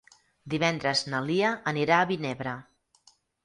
Divendres na Lia anirà a Vinebre.